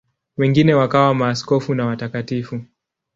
Wengine wakawa maaskofu na watakatifu.